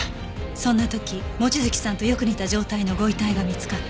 そんな時望月さんとよく似た状態のご遺体が見つかった